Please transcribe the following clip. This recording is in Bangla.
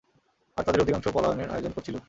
আর তাদের অধিকাংশ পলায়নের আয়োজন করছিল।